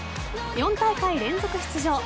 ４大会連続出場